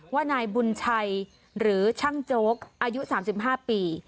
ว่านายบุญชัยหรือช่างโจ๊กอายุสามสิบห้าปี